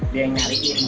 dia yang nyariin